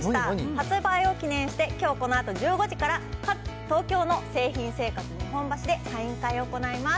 発売を記念して、きょうこのあと１５時から、東京の誠品生活日本橋でサイン会を行います。